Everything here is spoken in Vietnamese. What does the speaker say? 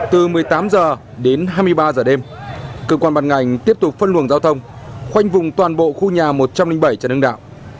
từ một mươi tám h đến hai mươi ba h đêm cơ quan bàn ngành tiếp tục phân luồng giao thông khoanh vùng toàn bộ khu nhà một trăm linh bảy trần hưng đạo